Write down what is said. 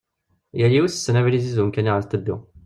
Yal yiwet tessen abrid-is d umkan iɣer tettuddu.